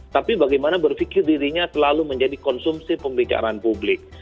tapi bagaimana berpikir dirinya selalu menjadi konsumsi pembicaraan publik